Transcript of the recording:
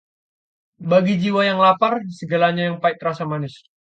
bagi jiwa yang lapar, segala yang pahit terasa manis.